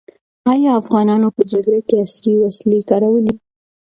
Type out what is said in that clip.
ایا افغانانو په جګړه کې عصري وسلې کارولې؟